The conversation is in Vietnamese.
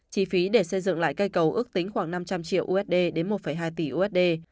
chi phí để xây dựng lại cây cầu ước tính khoảng năm trăm linh triệu usd đến một hai tỷ usd